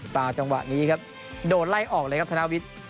จังหวะนี้ครับโดนไล่ออกเลยครับธนาวิทย์